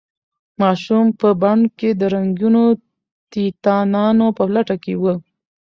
ماشوم په بڼ کې د رنګینو تیتانانو په لټه کې و.